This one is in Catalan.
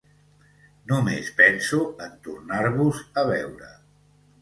Només penso en tornar-vos a veure.